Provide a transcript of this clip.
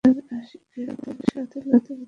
সে তার আশিক এর সাথে লুতুপুতু করছে।